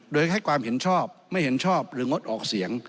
โดยให้ความเห็นชอบไม่เห็นชอบหรืองดออกเสียง